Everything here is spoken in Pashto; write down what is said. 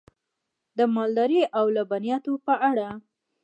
د مالدارۍ او لبنیاتو په اړه: